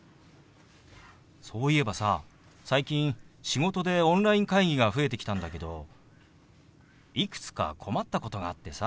そういえばさ最近仕事でオンライン会議が増えてきたんだけどいくつか困ったことがあってさ。